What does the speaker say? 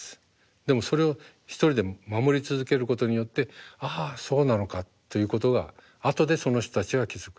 でもそれを一人で守り続けることによって「ああそうなのか」ということが後でその人たちが気付く。